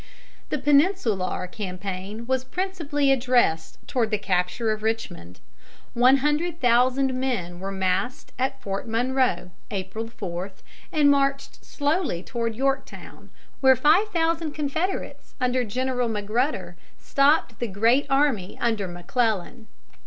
The Peninsular campaign was principally addressed toward the capture of Richmond. One hundred thousand men were massed at Fort Monroe April 4, and marched slowly toward Yorktown, where five thousand Confederates under General Magruder stopped the great army under McClellan.